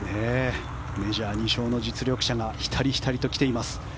メジャー２勝の実力者がひたりひたりと来ています。